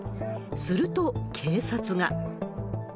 すると、警察が。